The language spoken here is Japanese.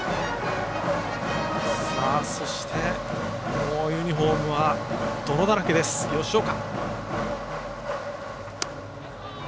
もうユニフォームが泥だらけです、吉岡。